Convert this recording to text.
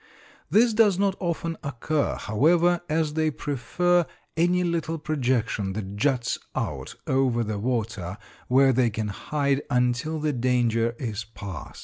This does not often occur, however, as they prefer any little projection that juts out over the water where they can hide until the danger is past.